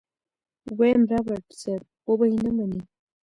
ويم رابرټ صيب وبه يې نه منې.